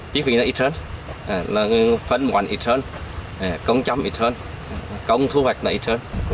chí phí là ít hơn phân quản ít hơn công châm ít hơn công thu vạch là ít hơn